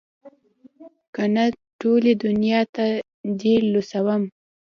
که نه ټولې دونيا ته دې لوڅوم.